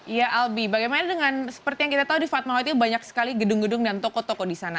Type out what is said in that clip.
ya albi bagaimana dengan seperti yang kita tahu di fatmawati itu banyak sekali gedung gedung dan toko toko di sana